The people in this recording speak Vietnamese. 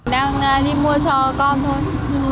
đang đi mua cho con thôi